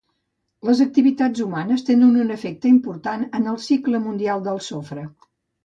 Les activitats humanes tenen un efecte important en el cicle mundial del sofre.